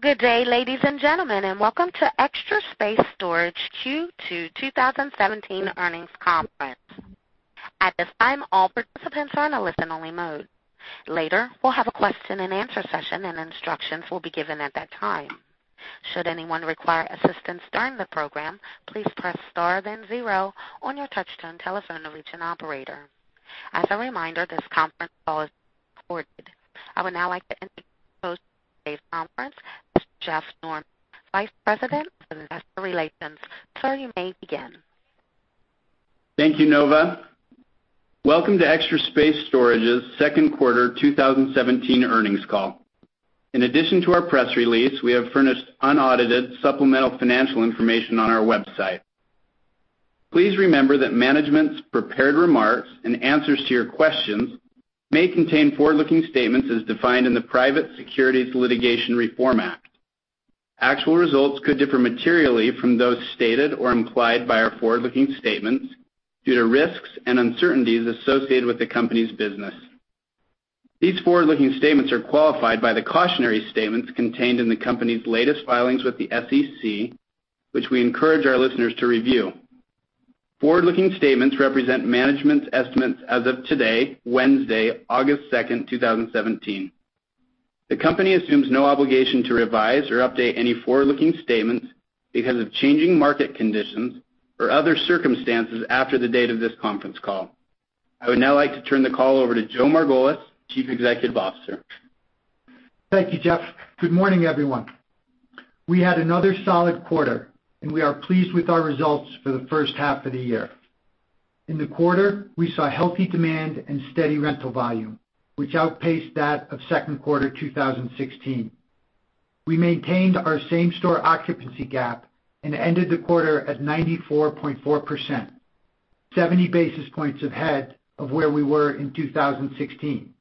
Good day, ladies and gentlemen, welcome to Extra Space Storage Q2 2017 earnings conference. At this time, all participants are in a listen-only mode. Later, we'll have a question and answer session. Instructions will be given at that time. Should anyone require assistance during the program, please press star then zero on your touch-tone telephone to reach an operator. As a reminder, this conference call is recorded. I would now like to introduce today's conference, Mr. Jeff Norman, Vice President of Investor Relations. Sir, you may begin. Thank you, Nova. Welcome to Extra Space Storage's second quarter 2017 earnings call. In addition to our press release, we have furnished unaudited supplemental financial information on our website. Please remember that management's prepared remarks and answers to your questions may contain forward-looking statements as defined in the Private Securities Litigation Reform Act. Actual results could differ materially from those stated or implied by our forward-looking statements due to risks and uncertainties associated with the company's business. These forward-looking statements are qualified by the cautionary statements contained in the company's latest filings with the SEC, which we encourage our listeners to review. Forward-looking statements represent management's estimates as of today, Wednesday, August 2, 2017. The company assumes no obligation to revise or update any forward-looking statements because of changing market conditions or other circumstances after the date of this conference call. I would now like to turn the call over to Joe Margolis, Chief Executive Officer. Thank you, Jeff. Good morning, everyone. We had another solid quarter. We are pleased with our results for the first half of the year. In the quarter, we saw healthy demand and steady rental volume, which outpaced that of second quarter 2016. We maintained our same-store occupancy gap and ended the quarter at 94.4%, 70 basis points ahead of where we were in 2016.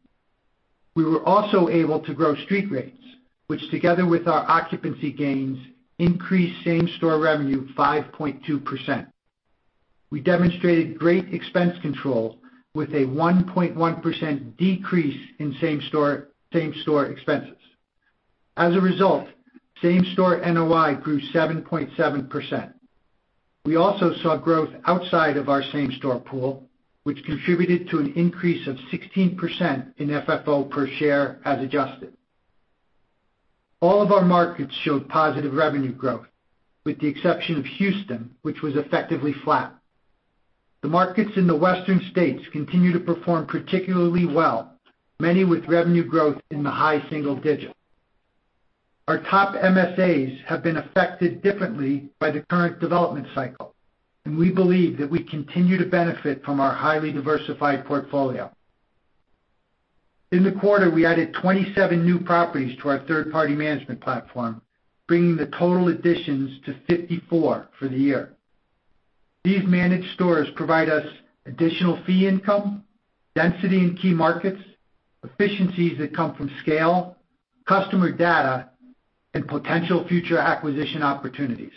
We were also able to grow street rates, which together with our occupancy gains, increased same-store revenue 5.2%. We demonstrated great expense control with a 1.1% decrease in same-store expenses. As a result, same-store NOI grew 7.7%. We also saw growth outside of our same-store pool, which contributed to an increase of 16% in FFO per share as adjusted. All of our markets showed positive revenue growth, with the exception of Houston, which was effectively flat. The markets in the western states continue to perform particularly well, many with revenue growth in the high single digits. Our top MSAs have been affected differently by the current development cycle, and we believe that we continue to benefit from our highly diversified portfolio. In the quarter, we added 27 new properties to our third-party management platform, bringing the total additions to 54 for the year. These managed stores provide us additional fee income, density in key markets, efficiencies that come from scale, customer data, and potential future acquisition opportunities.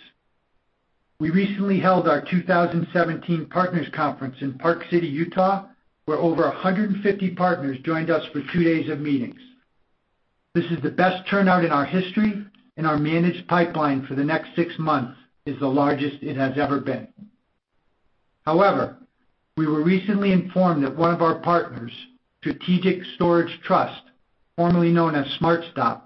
We recently held our 2017 Partners Conference in Park City, Utah, where over 150 partners joined us for two days of meetings. This is the best turnout in our history, and our managed pipeline for the next six months is the largest it has ever been. We were recently informed that one of our partners, Strategic Storage Trust, formerly known as SmartStop,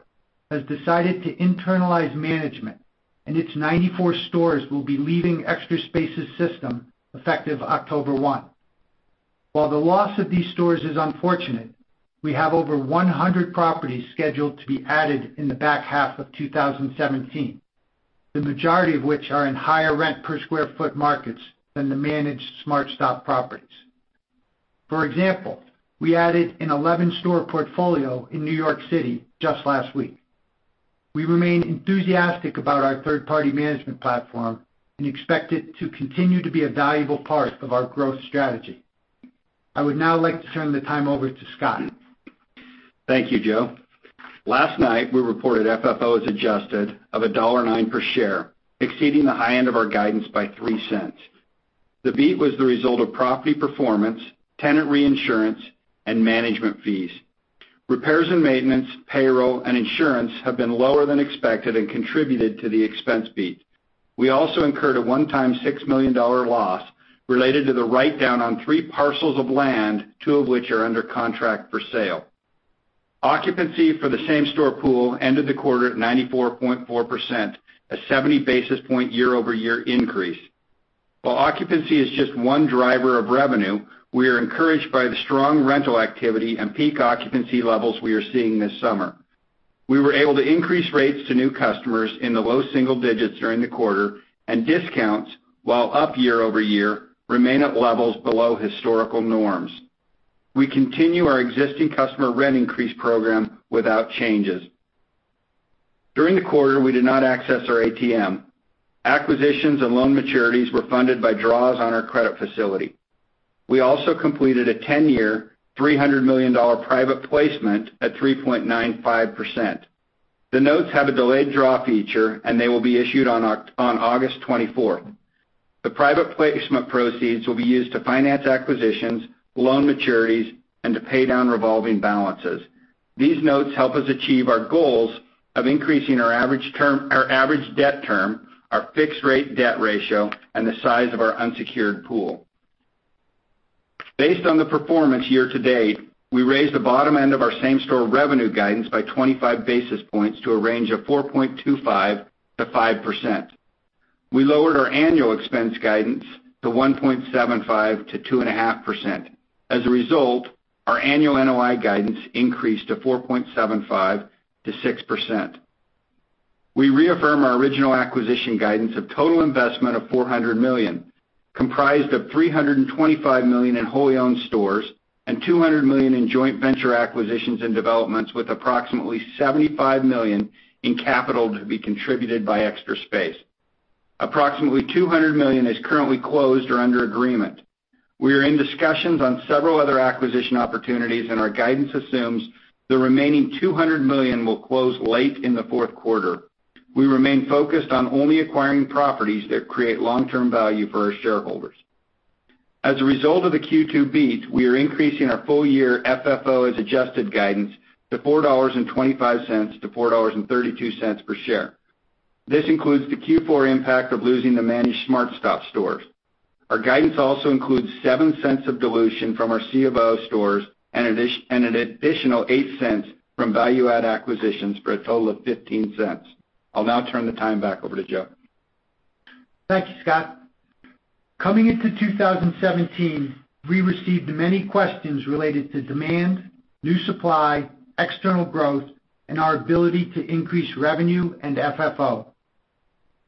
has decided to internalize management, and its 94 stores will be leaving Extra Space's system effective October 1. While the loss of these stores is unfortunate, we have over 100 properties scheduled to be added in the back half of 2017, the majority of which are in higher rent-per-square-foot markets than the managed SmartStop properties. For example, we added an 11-store portfolio in New York City just last week. We remain enthusiastic about our third-party management platform and expect it to continue to be a valuable part of our growth strategy. I would now like to turn the time over to Scott. Thank you, Joe. Last night, we reported FFO as adjusted of $1.09 per share, exceeding the high end of our guidance by $0.03. The beat was the result of property performance, tenant reinsurance, and management fees. Repairs and maintenance, payroll, and insurance have been lower than expected and contributed to the expense beat. We also incurred a one-time $6 million loss related to the write-down on three parcels of land, two of which are under contract for sale. Occupancy for the same-store pool ended the quarter at 94.4%, a 70-basis point year-over-year increase. While occupancy is just one driver of revenue, we are encouraged by the strong rental activity and peak occupancy levels we are seeing this summer. We were able to increase rates to new customers in the low single digits during the quarter, and discounts, while up year-over-year, remain at levels below historical norms. We continue our existing customer rent increase program without changes. During the quarter, we did not access our ATM. Acquisitions and loan maturities were funded by draws on our credit facility. We also completed a 10-year, $300 million private placement at 3.95%. The notes have a delayed draw feature, and they will be issued on August 24th. The private placement proceeds will be used to finance acquisitions, loan maturities, and to pay down revolving balances. These notes help us achieve our goals of increasing our average debt term, our fixed rate debt ratio, and the size of our unsecured pool. Based on the performance year-to-date, we raised the bottom end of our same-store revenue guidance by 25 basis points to a range of 4.25%-5%. We lowered our annual expense guidance to 1.75%-2.5%. As a result, our annual NOI guidance increased to 4.75%-6%. We reaffirm our original acquisition guidance of total investment of $400 million, comprised of $325 million in wholly owned stores and $200 million in joint venture acquisitions and developments with approximately $75 million in capital to be contributed by Extra Space Storage. Approximately $200 million is currently closed or under agreement. We are in discussions on several other acquisition opportunities, and our guidance assumes the remaining $200 million will close late in the fourth quarter. We remain focused on only acquiring properties that create long-term value for our shareholders. As a result of the Q2 beat, we are increasing our full year FFO as adjusted guidance to $4.25-$4.32 per share. This includes the Q4 impact of losing the managed SmartStop stores. Our guidance also includes $0.07 of dilution from our C of O stores and an additional $0.08 from value-add acquisitions for a total of $0.15. I'll now turn the time back over to Joe. Thank you, Scott. Coming into 2017, we received many questions related to demand, new supply, external growth, and our ability to increase revenue and FFO.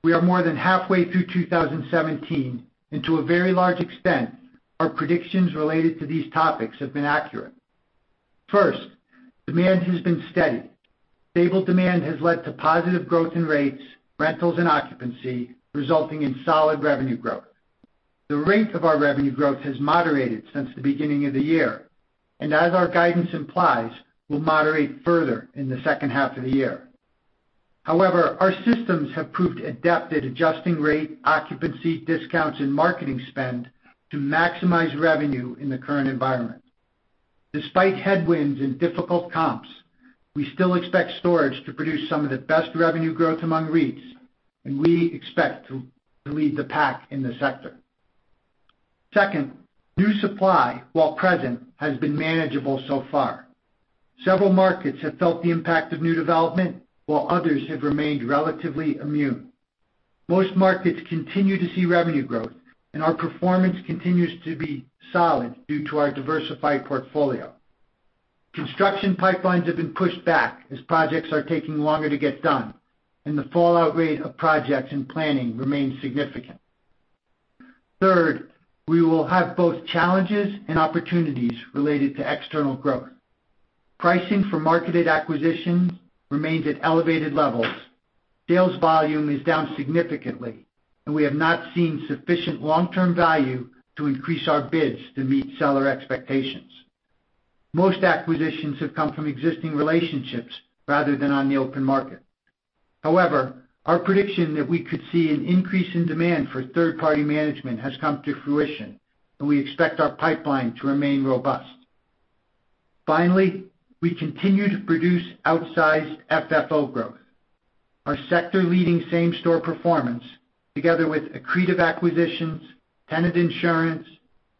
We are more than halfway through 2017, and to a very large extent, our predictions related to these topics have been accurate. First, demand has been steady. Stable demand has led to positive growth in rates, rentals, and occupancy, resulting in solid revenue growth. The rate of our revenue growth has moderated since the beginning of the year, and as our guidance implies, will moderate further in the second half of the year. However, our systems have proved adept at adjusting rate, occupancy, discounts, and marketing spend to maximize revenue in the current environment. Despite headwinds and difficult comps, we still expect storage to produce some of the best revenue growth among REITs, and we expect to lead the pack in the sector. Second, new supply, while present, has been manageable so far. Several markets have felt the impact of new development, while others have remained relatively immune. Most markets continue to see revenue growth, and our performance continues to be solid due to our diversified portfolio. Construction pipelines have been pushed back as projects are taking longer to get done, and the fallout rate of projects in planning remains significant. Third, we will have both challenges and opportunities related to external growth. Pricing for marketed acquisitions remains at elevated levels. Sales volume is down significantly, and we have not seen sufficient long-term value to increase our bids to meet seller expectations. Most acquisitions have come from existing relationships rather than on the open market. However, our prediction that we could see an increase in demand for third-party management has come to fruition, and we expect our pipeline to remain robust. Finally, we continue to produce outsized FFO growth. Our sector-leading same-store performance, together with accretive acquisitions, tenant insurance,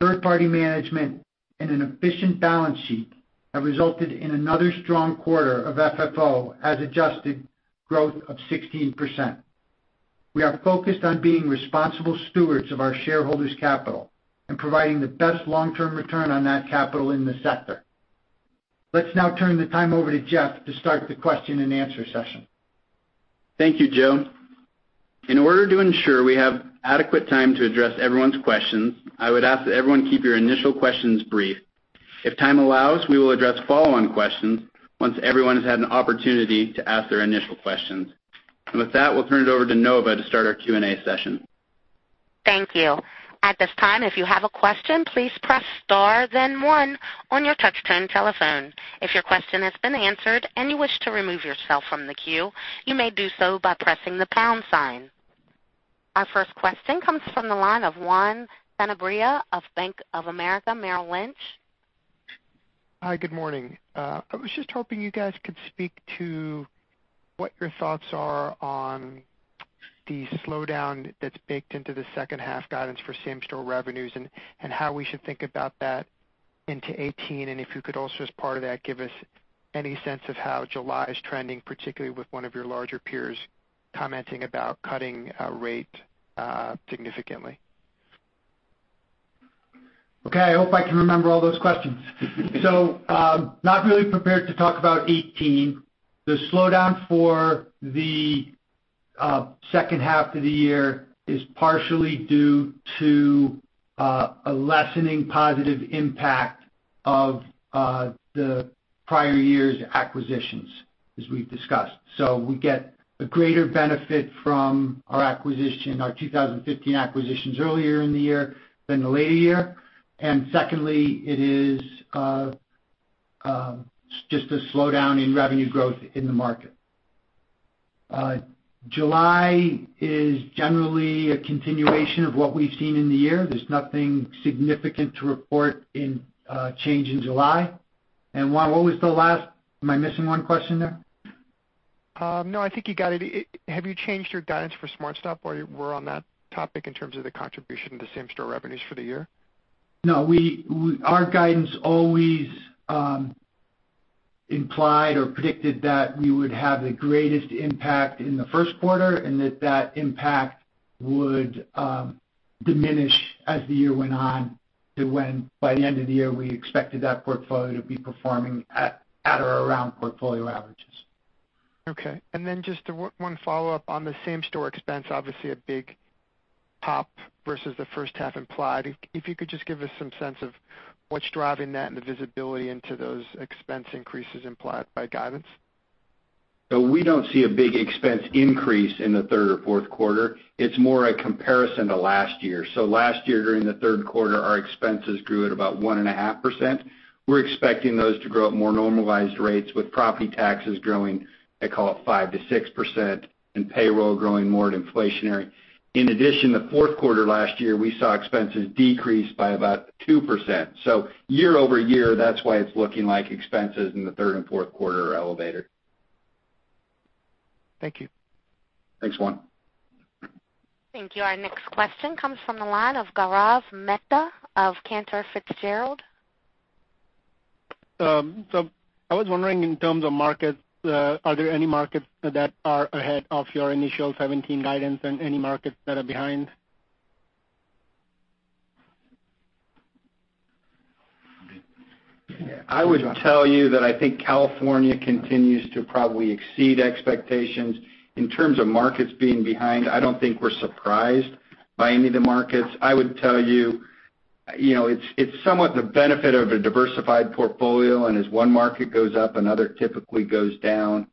third-party management, and an efficient balance sheet, have resulted in another strong quarter of FFO as adjusted growth of 16%. We are focused on being responsible stewards of our shareholders' capital and providing the best long-term return on that capital in the sector. Let's now turn the time over to Jeff to start the question and answer session. Thank you, Joe. In order to ensure we have adequate time to address everyone's questions, I would ask that everyone keep your initial questions brief. If time allows, we will address follow-on questions once everyone has had an opportunity to ask their initial questions. With that, we'll turn it over to Nova to start our Q&A session. Thank you. At this time, if you have a question, please press star then one on your touch-tone telephone. If your question has been answered and you wish to remove yourself from the queue, you may do so by pressing the pound sign. Our first question comes from the line of Juan Sanabria of Bank of America Merrill Lynch. Hi, good morning. I was just hoping you guys could speak to what your thoughts are on the slowdown that's baked into the second half guidance for same-store revenues and how we should think about that into 2018. If you could also, as part of that, give us any sense of how July is trending, particularly with one of your larger peers commenting about cutting rate significantly. Okay. I hope I can remember all those questions. Not really prepared to talk about 2018. The slowdown for the second half of the year is partially due to a lessening positive impact of the prior year's acquisitions, as we've discussed. We get a greater benefit from our 2015 acquisitions earlier in the year than the later year. Secondly, it is just a slowdown in revenue growth in the market. July is generally a continuation of what we've seen in the year. There's nothing significant to report in change in July. Juan, what was the last, am I missing one question there? No, I think you got it. Have you changed your guidance for SmartStop while we're on that topic in terms of the contribution to the same-store revenues for the year? No, our guidance always implied or predicted that we would have the greatest impact in the first quarter, and that impact would diminish as the year went on, to when by the end of the year, we expected that portfolio to be performing at or around portfolio averages. Okay. Just one follow-up on the same-store expense, obviously a big pop versus the first half implied. If you could just give us some sense of what's driving that and the visibility into those expense increases implied by guidance. We don't see a big expense increase in the third or fourth quarter. It's more a comparison to last year. Last year, during the third quarter, our expenses grew at about 1.5%. We're expecting those to grow at more normalized rates, with property taxes growing at, call it, 5%-6%, and payroll growing more at inflationary. In addition, the fourth quarter last year, we saw expenses decrease by about 2%. Year-over-year, that's why it's looking like expenses in the third and fourth quarter are elevated. Thank you. Thanks, Juan. Thank you. Our next question comes from the line of Gaurav Mehta of Cantor Fitzgerald. I was wondering, in terms of markets, are there any markets that are ahead of your initial 2017 guidance and any markets that are behind? I would tell you that I think California continues to probably exceed expectations. In terms of markets being behind, I don't think we're surprised by any of the markets. I would tell you, it's somewhat the benefit of a diversified portfolio, and as one market goes up, another typically goes down.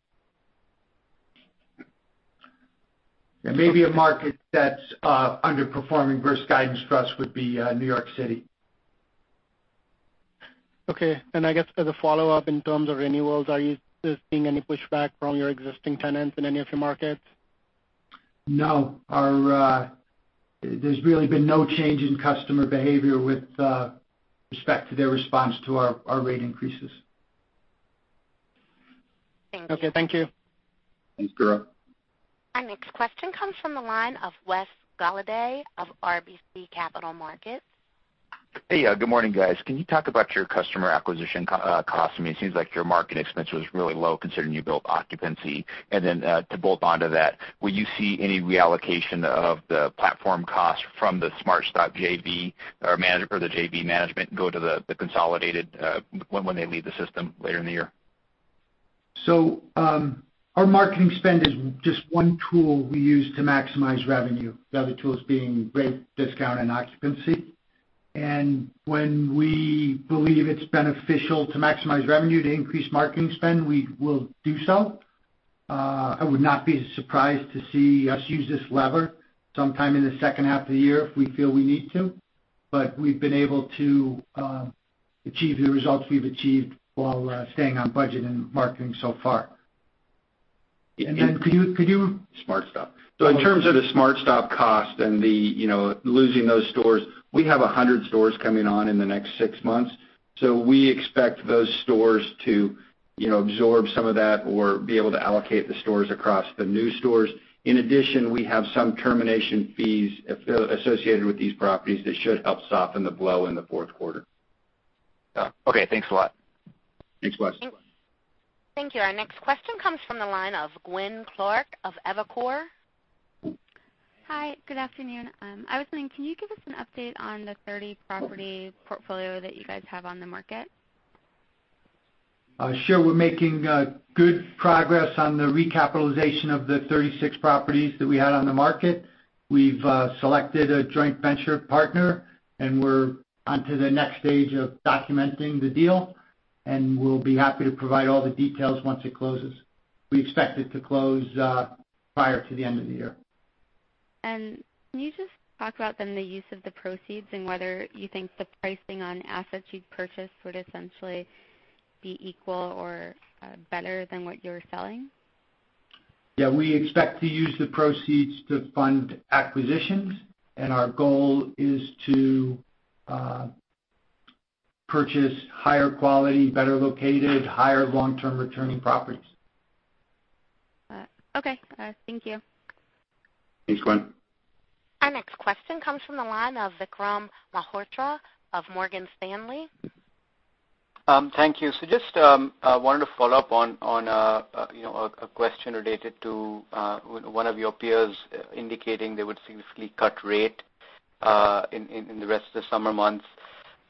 Maybe a market that's underperforming versus guidance for us would be New York City. Okay. I guess as a follow-up in terms of renewals, are you seeing any pushback from your existing tenants in any of your markets? No. There's really been no change in customer behavior with respect to their response to our rate increases. Okay. Thank you. Thanks, Gaurav. Our next question comes from the line of Wes Golladay of RBC Capital Markets. Good morning, guys. Can you talk about your customer acquisition cost? I mean, it seems like your market expense was really low considering you built occupancy. To bolt onto that, will you see any reallocation of the platform cost from the SmartStop JV or the JV management go to the consolidated when they leave the system later in the year? Our marketing spend is just one tool we use to maximize revenue, the other tools being rate discount and occupancy. When we believe it's beneficial to maximize revenue to increase marketing spend, we will do so. I would not be surprised to see us use this lever sometime in the second half of the year if we feel we need to. We've been able to achieve the results we've achieved while staying on budget in marketing so far. SmartStop. In terms of the SmartStop cost and losing those stores, we have 100 stores coming on in the next six months. We expect those stores to absorb some of that or be able to allocate the stores across the new stores. In addition, we have some termination fees associated with these properties that should help soften the blow in the fourth quarter. Okay, thanks a lot. Thanks, Wes. Thank you. Our next question comes from the line of Gwen Clark of Evercore. Hi, good afternoon. I was wondering, can you give us an update on the 30-property portfolio that you guys have on the market? Sure. We're making good progress on the recapitalization of the 36 properties that we had on the market. We've selected a joint venture partner, and we're onto the next stage of documenting the deal, and we'll be happy to provide all the details once it closes. We expect it to close prior to the end of the year. Can you just talk about then the use of the proceeds and whether you think the pricing on assets you've purchased would essentially be equal or better than what you're selling? Yeah, we expect to use the proceeds to fund acquisitions, and our goal is to purchase higher quality, better located, higher long-term returning properties. Okay. All right. Thank you. Thanks, Gwen. Our next question comes from the line of Vikram Malhotra of Morgan Stanley. Thank you. Just wanted to follow up on a question related to one of your peers indicating they would significantly cut rate in the rest of the summer months.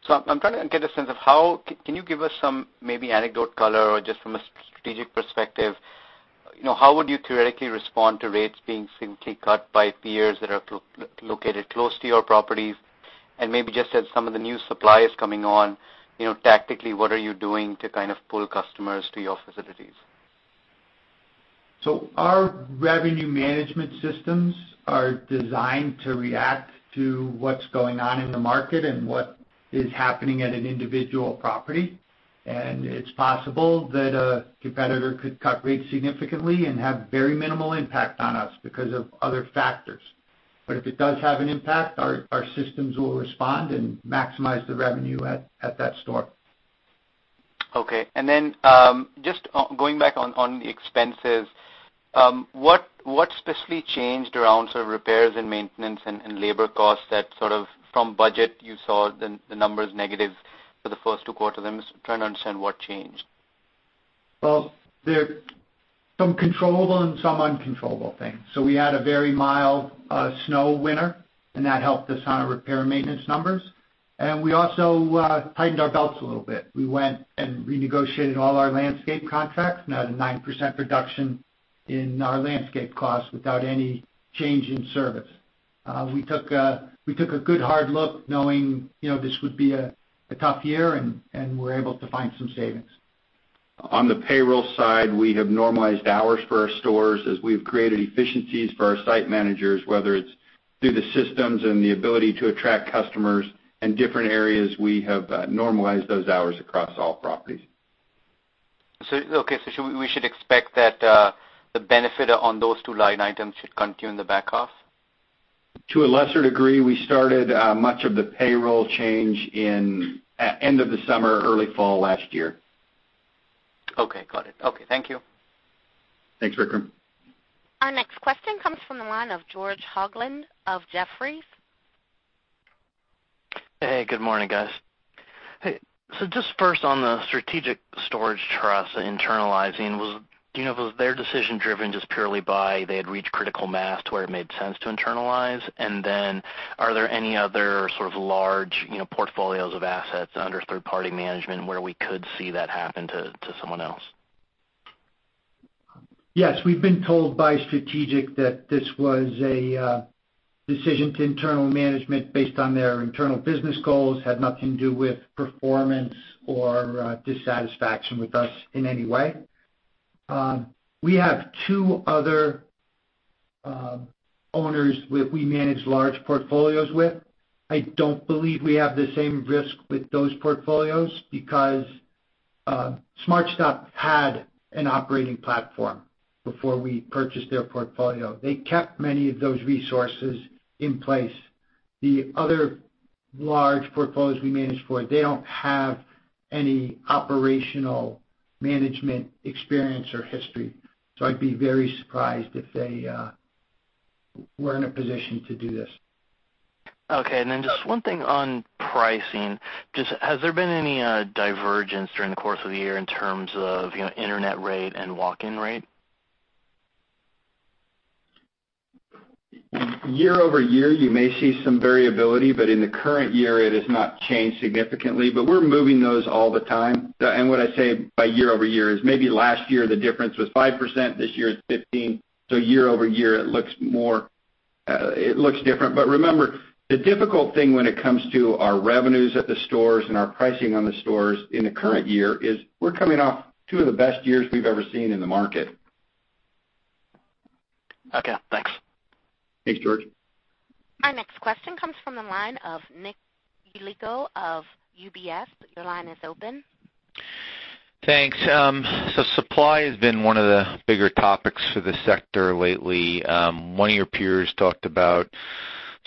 I'm trying to get a sense of, can you give us some maybe anecdotal color or just from a strategic perspective, how would you theoretically respond to rates being significantly cut by peers that are located close to your properties? And maybe just as some of the new suppliers coming on, tactically, what are you doing to kind of pull customers to your facilities? Our revenue management systems are designed to react to what's going on in the market and what is happening at an individual property. It's possible that a competitor could cut rates significantly and have very minimal impact on us because of other factors. If it does have an impact, our systems will respond and maximize the revenue at that store. Okay. Then just going back on the expenses, what specifically changed around sort of repairs and maintenance and labor costs that sort of from budget, you saw the numbers negative for the first two quarters? I'm just trying to understand what changed. Some controllable and some uncontrollable things. We had a very mild snow winter, and that helped us on our repair and maintenance numbers. We also tightened our belts a little bit. We went and renegotiated all our landscape contracts and had a 9% reduction in our landscape costs without any change in service. We took a good hard look knowing this would be a tough year, and we're able to find some savings. On the payroll side, we have normalized hours for our stores as we've created efficiencies for our site managers, whether it's through the systems and the ability to attract customers in different areas, we have normalized those hours across all properties. Okay. We should expect that the benefit on those two line items should continue in the back half? To a lesser degree. We started much of the payroll change in end of the summer, early fall last year. Okay, got it. Okay, thank you. Thanks, Vikram. Our next question comes from the line of George Hoglund of Jefferies. Hey, good morning, guys. Hey, just first on the Strategic Storage Trust internalizing, was their decision driven just purely by they had reached critical mass to where it made sense to internalize? Are there any other sort of large portfolios of assets under third-party management where we could see that happen to someone else? Yes, we've been told by Strategic that this was a decision to internal management based on their internal business goals. Had nothing to do with performance or dissatisfaction with us in any way. We have two other owners we manage large portfolios with. I don't believe we have the same risk with those portfolios because SmartStop had an operating platform before we purchased their portfolio. They kept many of those resources in place. The other large portfolios we manage for, they don't have any operational management experience or history, so I'd be very surprised if they were in a position to do this. Okay. Then just one thing on pricing, just has there been any divergence during the course of the year in terms of internet rate and walk-in rate? Year-over-year, you may see some variability, but in the current year it has not changed significantly. We're moving those all the time. What I say by year-over-year is maybe last year the difference was 5%, this year it's 15. Year-over-year it looks different. Remember, the difficult thing when it comes to our revenues at the stores and our pricing on the stores in the current year is we're coming off two of the best years we've ever seen in the market. Okay, thanks. Thanks, George. Our next question comes from the line of Nick Yulico of UBS. Your line is open. Thanks. Supply has been one of the bigger topics for the sector lately. One of your peers talked about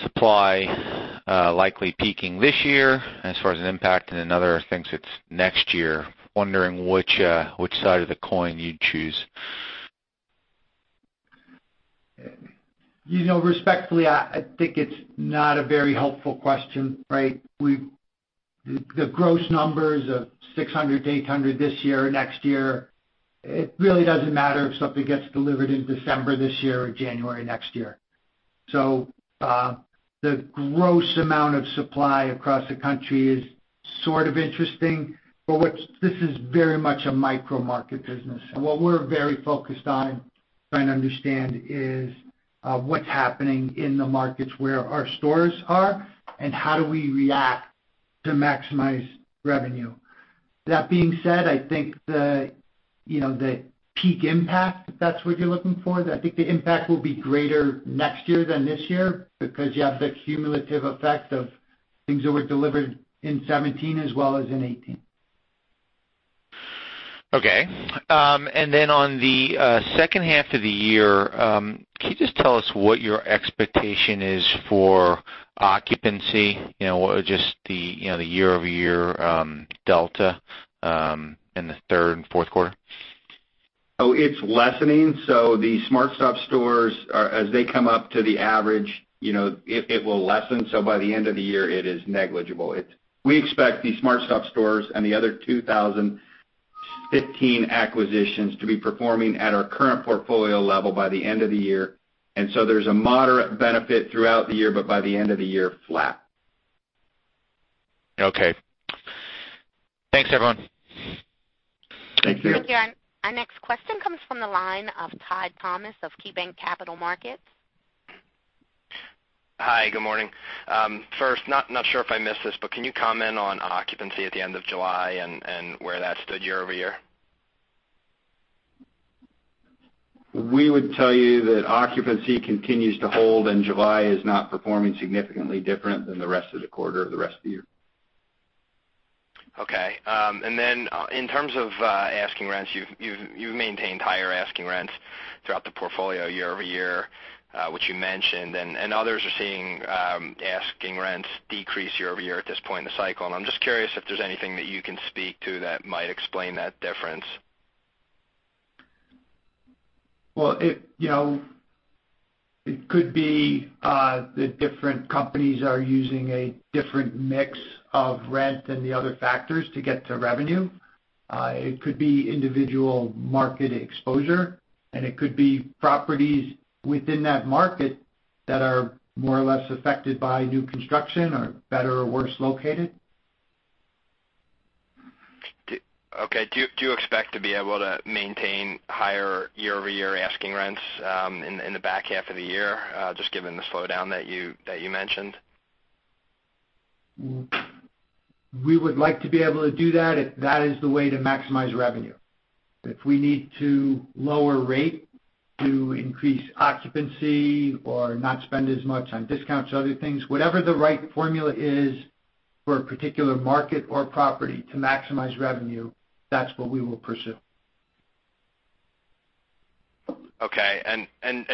supply likely peaking this year as far as an impact, and another thinks it's next year. Wondering which side of the coin you'd choose. Respectfully, I think it's not a very helpful question, right? The gross numbers of 600 to 800 this year or next year, it really doesn't matter if something gets delivered in December this year or January next year. The gross amount of supply across the country is sort of interesting, but this is very much a micro-market business. What we're very focused on trying to understand is what's happening in the markets where our stores are and how do we react to maximize revenue. That being said, I think the peak impact, if that's what you're looking for, I think the impact will be greater next year than this year because you have the cumulative effect of things that were delivered in 2017 as well as in 2018. Okay. On the second half of the year, can you just tell us what your expectation is for occupancy? Just the year-over-year delta in the third and fourth quarter? It's lessening. The SmartStop stores, as they come up to the average it will lessen, by the end of the year it is negligible. We expect the SmartStop stores and the other 2015 acquisitions to be performing at our current portfolio level by the end of the year, there's a moderate benefit throughout the year, by the end of the year, flat. Okay. Thanks, everyone. Thank you. Thank you. Our next question comes from the line of Todd Thomas of KeyBanc Capital Markets. Hi, good morning. First, not sure if I missed this, but can you comment on occupancy at the end of July and where that stood year-over-year? We would tell you that occupancy continues to hold, and July is not performing significantly different than the rest of the quarter or the rest of the year. Okay. Then in terms of asking rents, you've maintained higher asking rents throughout the portfolio year-over-year, which you mentioned, and others are seeing asking rents decrease year-over-year at this point in the cycle. I'm just curious if there's anything that you can speak to that might explain that difference. Well, it could be that different companies are using a different mix of rent and the other factors to get to revenue. It could be individual market exposure, and it could be properties within that market that are more or less affected by new construction or better or worse located. Okay, do you expect to be able to maintain higher year-over-year asking rents in the back half of the year, just given the slowdown that you mentioned? We would like to be able to do that if that is the way to maximize revenue. If we need to lower rate to increase occupancy or not spend as much on discounts or other things, whatever the right formula is for a particular market or property to maximize revenue, that's what we will pursue. Okay.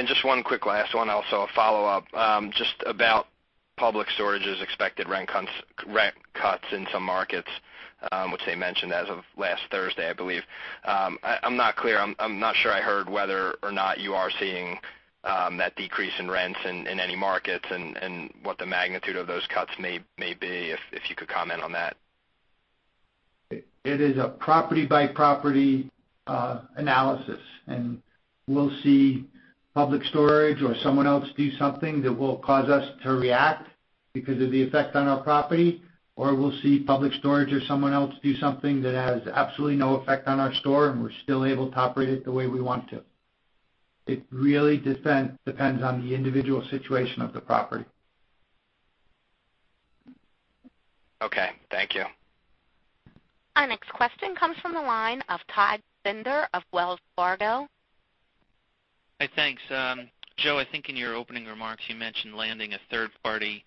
Just one quick last one, also a follow-up, just about Public Storage's expected rent cuts in some markets, which they mentioned as of last Thursday, I believe. I'm not clear. I'm not sure I heard whether or not you are seeing that decrease in rents in any markets and what the magnitude of those cuts may be, if you could comment on that. It is a property-by-property analysis. We'll see Public Storage or someone else do something that will cause us to react because of the effect on our property. We'll see Public Storage or someone else do something that has absolutely no effect on our store. We're still able to operate it the way we want to. It really depends on the individual situation of the property. Okay, thank you. Our next question comes from the line of Todd Stender of Wells Fargo. Hey, thanks. Joe, I think in your opening remarks, you mentioned landing a third-party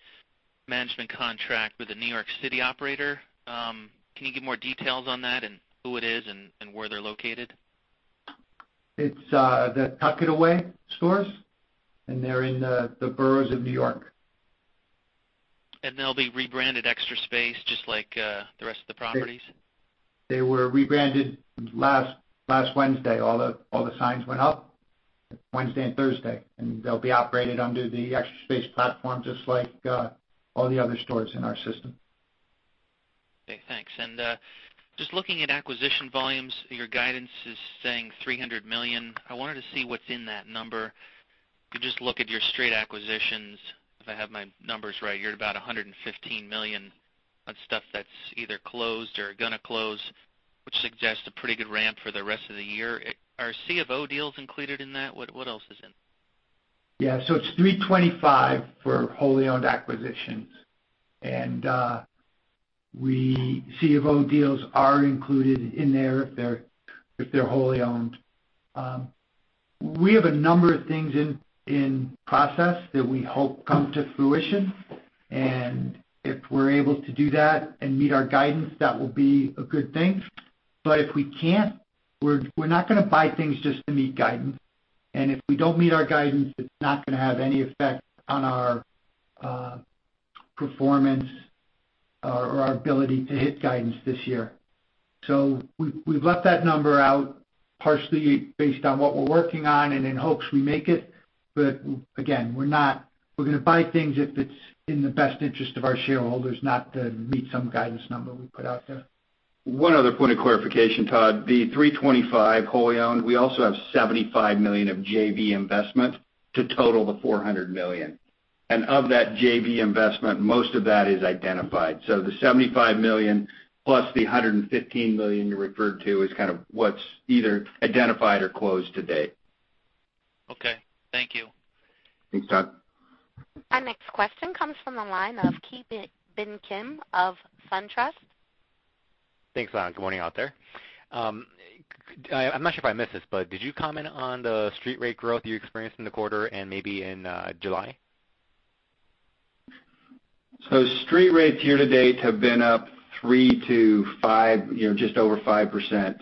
management contract with a New York City operator. Can you give more details on that, who it is and where they're located? It's the Tuck-It-Away stores, and they're in the boroughs of New York. They'll be rebranded Extra Space, just like the rest of the properties? They were rebranded last Wednesday. All the signs went up Wednesday and Thursday, and they'll be operated under the Extra Space platform, just like all the other stores in our system. Okay, thanks. Just looking at acquisition volumes, your guidance is saying $300 million. I wanted to see what's in that number. If you just look at your straight acquisitions, if I have my numbers right, you're at about $115 million on stuff that's either closed or gonna close, which suggests a pretty good ramp for the rest of the year. Are C of O deals included in that? What else is in? Yeah. It's $325 for wholly owned acquisitions. C of O deals are included in there if they're wholly owned. We have a number of things in process that we hope come to fruition, and if we're able to do that and meet our guidance, that will be a good thing. If we can't, we're not gonna buy things just to meet guidance. If we don't meet our guidance, it's not gonna have any effect on our performance or our ability to hit guidance this year. We've left that number out partially based on what we're working on and in hopes we make it. Again, we're gonna buy things if it's in the best interest of our shareholders, not to meet some guidance number we put out there. One other point of clarification, Todd. The $325 wholly owned, we also have $75 million of JV investment to total the $400 million. Of that JV investment, most of that is identified. The $75 million plus the $115 million you referred to is kind of what's either identified or closed to date. Okay, thank you. Thanks, Todd. Our next question comes from the line of Ki Bin Kim of SunTrust. Thanks. Good morning out there. I'm not sure if I missed this, did you comment on the street rate growth you experienced in the quarter and maybe in July? Street rates year to date have been up 3%-5%, just over 5%.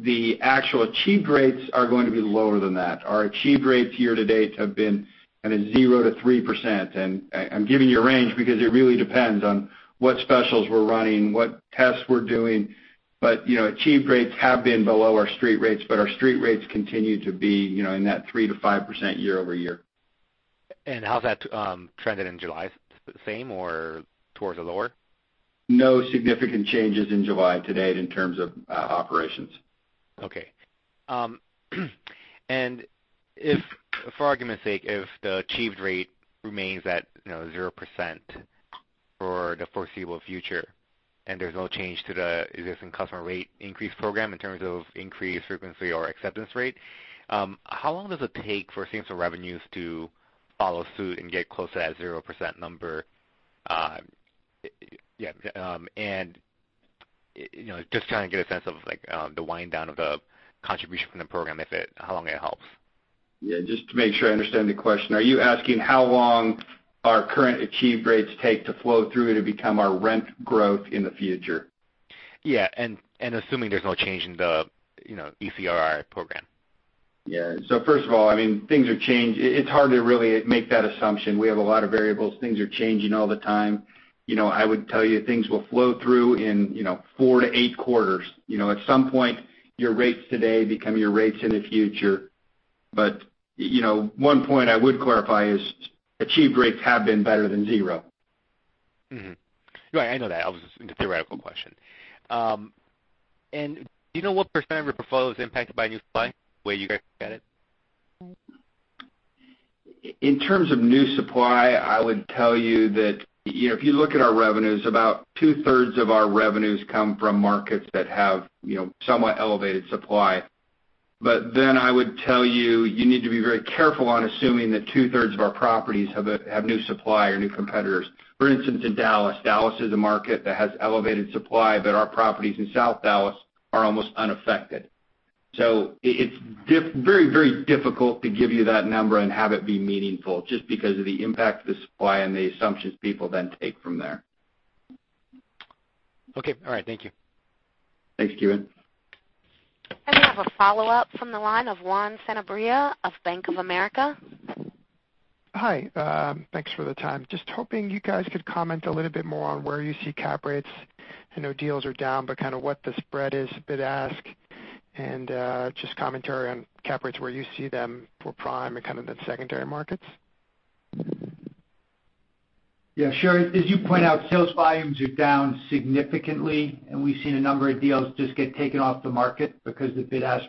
The actual achieved rates are going to be lower than that. Our achieved rates year to date have been at a 0%-3%, and I'm giving you a range because it really depends on what specials we're running, what tests we're doing. Achieved rates have been below our street rates, but our street rates continue to be in that 3%-5% year-over-year. How's that trended in July? The same or towards the lower? No significant changes in July to date in terms of operations. If, for argument's sake, if the achieved rate remains at 0% for the foreseeable future and there's no change to the existing customer rate increase program in terms of increased frequency or acceptance rate, how long does it take for same-store revenues to follow suit and get close to that 0% number? Just trying to get a sense of the wind down of the contribution from the program, how long it helps. Just to make sure I understand the question, are you asking how long our current achieved rates take to flow through to become our rent growth in the future? Assuming there's no change in the ECR program. First of all, things have changed. It is hard to really make that assumption. We have a lot of variables. Things are changing all the time. I would tell you things will flow through in 4-8 quarters. At some point, your rates today become your rates in the future. One point I would clarify is achieved rates have been better than zero. Mm-hmm. Right, I know that. It was a theoretical question. Do you know what % of your portfolio is impacted by new supply, the way you guys look at it? In terms of new supply, I would tell you that if you look at our revenues, about two-thirds of our revenues come from markets that have somewhat elevated supply. I would tell you need to be very careful on assuming that two-thirds of our properties have new supply or new competitors. For instance, in Dallas is a market that has elevated supply, but our properties in South Dallas are almost unaffected. It is very difficult to give you that number and have it be meaningful, just because of the impact of the supply and the assumptions people then take from there. Okay. All right. Thank you. Thanks, Ki Bin. We have a follow-up from the line of Juan Sanabria of Bank of America. Hi. Thanks for the time. Just hoping you guys could comment a little bit more on where you see cap rates. I know deals are down, but kind of what the spread is, bid-ask, and just commentary on cap rates, where you see them for prime and kind of the secondary markets. Yeah, sure. As you point out, sales volumes are down significantly, and we've seen a number of deals just get taken off the market because the bid-ask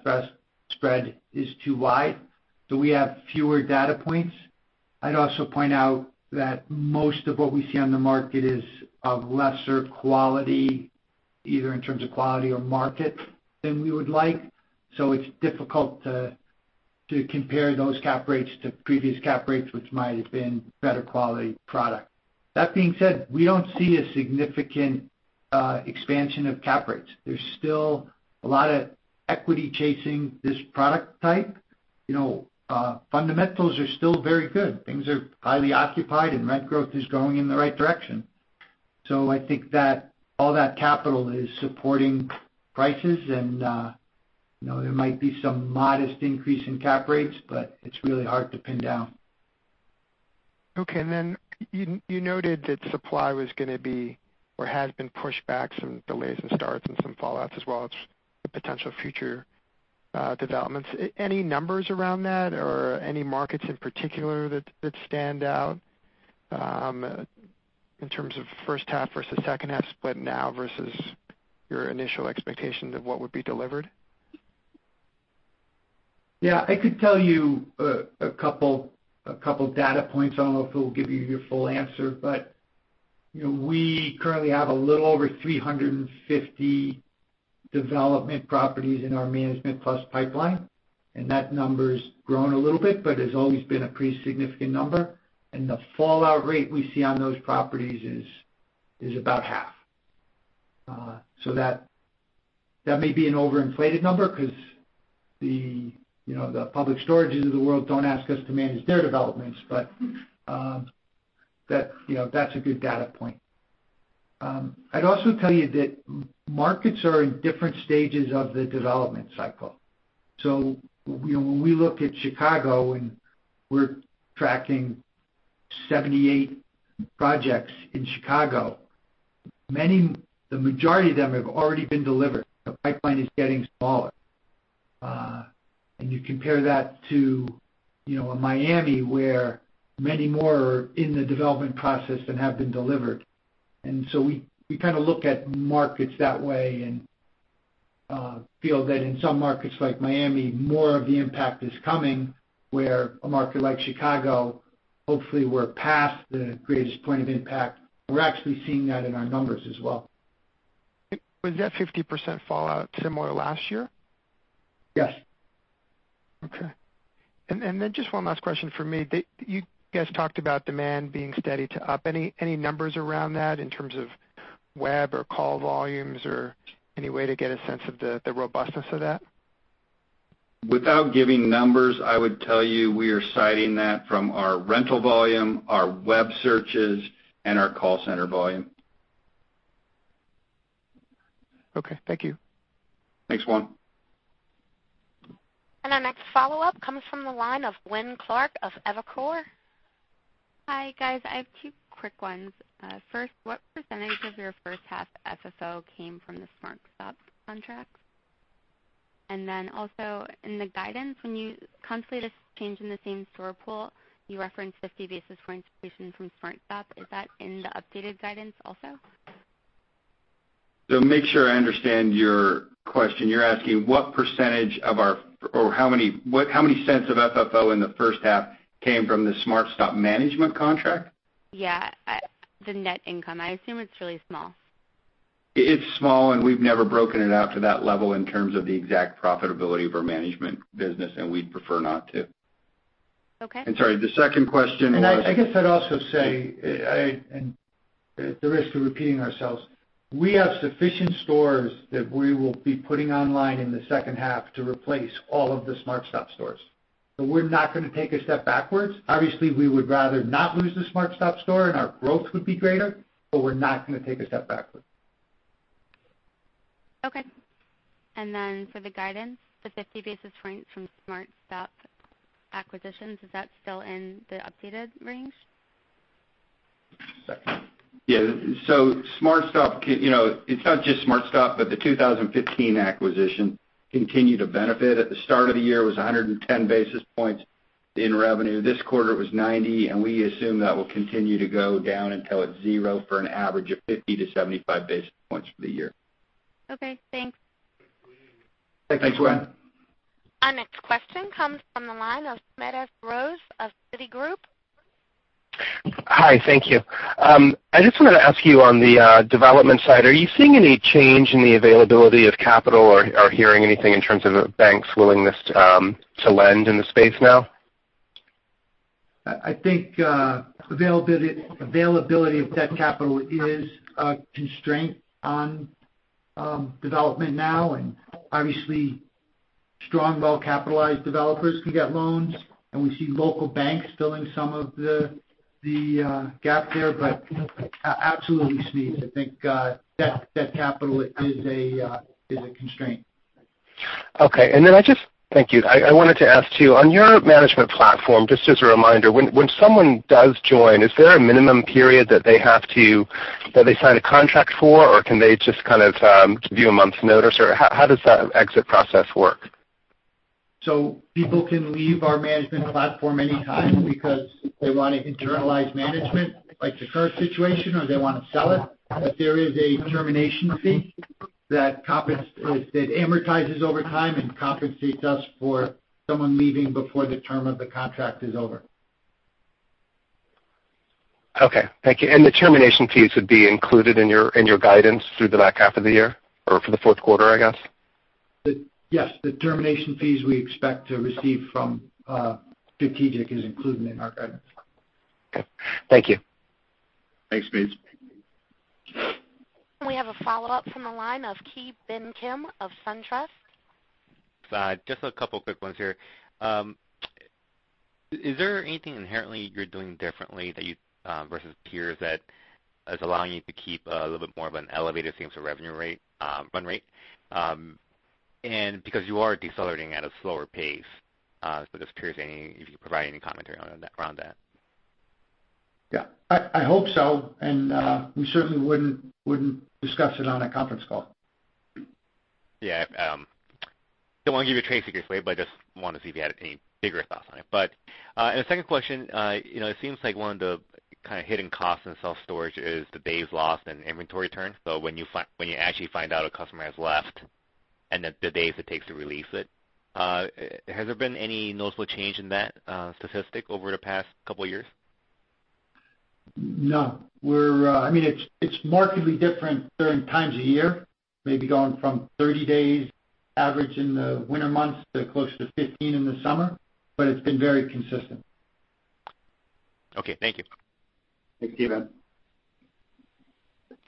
spread is too wide. We have fewer data points. I'd also point out that most of what we see on the market is of lesser quality, either in terms of quality or market than we would like. It's difficult to compare those cap rates to previous cap rates, which might have been better quality product. That being said, we don't see a significant expansion of cap rates. There's still a lot of equity chasing this product type. Fundamentals are still very good. Things are highly occupied, and rent growth is going in the right direction. I think that all that capital is supporting prices and there might be some modest increase in cap rates, but it's really hard to pin down. Okay. You noted that supply was going to be or has been pushed back some, delays and starts, and some fallouts as well as the potential future developments. Any numbers around that or any markets in particular that stand out, in terms of first half versus second half split now versus your initial expectations of what would be delivered? Yeah. I could tell you a couple data points. I don't know if it'll give you your full answer, but we currently have a little over 350 development properties in our Management Plus pipeline, that number's grown a little bit, but has always been a pretty significant number. The fallout rate we see on those properties is about half. That may be an overinflated number because the Public Storages of the world don't ask us to manage their developments. That's a good data point. I'd also tell you that markets are in different stages of the development cycle. When we look at Chicago and we're tracking 78 projects in Chicago, the majority of them have already been delivered. The pipeline is getting smaller. You compare that to Miami, where many more are in the development process than have been delivered. We kind of look at markets that way and feel that in some markets like Miami, more of the impact is coming, where a market like Chicago, hopefully we're past the greatest point of impact. We're actually seeing that in our numbers as well. Was that 50% fallout similar last year? Yes. Okay. Just one last question from me. You guys talked about demand being steady to up. Any numbers around that in terms of web or call volumes or any way to get a sense of the robustness of that? Without giving numbers, I would tell you we are citing that from our rental volume, our web searches, and our call center volume. Okay. Thank you. Thanks, Juan. Our next follow-up comes from the line of Gwen Clark of Evercore. Hi, guys. I have two quick ones. First, what percentage of your first half FFO came from the SmartStop contracts? Then also, in the guidance, when you constantly change in the same store pool, you referenced 50 basis points from SmartStop. Is that in the updated guidance also? To make sure I understand your question, you're asking what percentage of our or how many cents of FFO in the first half came from the SmartStop management contract? Yeah. The net income. I assume it's really small. It's small, and we've never broken it out to that level in terms of the exact profitability of our management business, and we'd prefer not to. Sorry, the second question was. I guess I'd also say, at the risk of repeating ourselves, we have sufficient stores that we will be putting online in the second half to replace all of the SmartStop stores. We're not going to take a step backwards. Obviously, we would rather not lose the SmartStop store, and our growth would be greater, but we're not going to take a step backwards. Okay. For the guidance, the 50 basis points from SmartStop acquisitions, is that still in the updated range? Second. Yeah. SmartStop, it's not just SmartStop, but the 2015 acquisition continued to benefit. At the start of the year, it was 110 basis points in revenue. This quarter, it was 90, and we assume that will continue to go down until it's zero for an average of 50 to 75 basis points for the year. Okay, thanks. Thanks, Gwen. Thanks, Gwen. Our next question comes from the line of Smedes Rose of Citigroup. Hi. Thank you. I just wanted to ask you on the development side, are you seeing any change in the availability of capital or hearing anything in terms of banks' willingness to lend in the space now? I think availability of debt capital is a constraint on development now. Obviously, strong, well-capitalized developers can get loans. We see local banks filling some of the gap there. Absolutely, Smedes, I think debt capital is a constraint. Okay. Thank you. I wanted to ask, too, on your management platform, just as a reminder, when someone does join, is there a minimum period that they sign a contract for, or can they just kind of give you a month's notice? Or how does that exit process work? People can leave our management platform anytime because they want to internalize management, like the current situation, or they want to sell it. There is a termination fee that amortizes over time and compensates us for someone leaving before the term of the contract is over. Okay. Thank you. The termination fees would be included in your guidance through the back half of the year or for the fourth quarter, I guess? Yes. The termination fees we expect to receive from Strategic is included in our guidance. Okay. Thank you. Thanks, Smedes. We have a follow-up from the line of Ki Bin Kim of SunTrust. Just a couple of quick ones here. Is there anything inherently you're doing differently versus peers that is allowing you to keep a little bit more of an elevated same-store revenue run rate? Because you are decelerating at a slower pace than those peers, if you could provide any commentary around that. Yeah. I hope so. We certainly wouldn't discuss it on a conference call. Yeah. Don't want to give you trade secrets away, but I just want to see if you had any bigger thoughts on it. A second question, it seems like one of the kind of hidden costs in self-storage is the days lost in inventory turns. When you actually find out a customer has left and the days it takes to re-lease it. Has there been any noticeable change in that statistic over the past couple of years? No. It's markedly different during times of year. Maybe going from 30 days average in the winter months to close to 15 in the summer, but it's been very consistent. Okay. Thank you.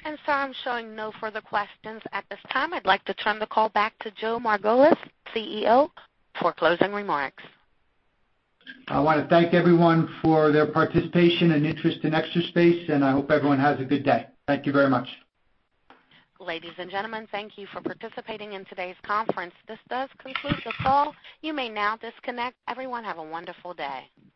Thanks, Ki Bin. I'm showing no further questions at this time. I'd like to turn the call back to Joe Margolis, CEO, for closing remarks. I want to thank everyone for their participation and interest in Extra Space, and I hope everyone has a good day. Thank you very much. Ladies and gentlemen, thank you for participating in today's conference. This does conclude the call. You may now disconnect. Everyone, have a wonderful day.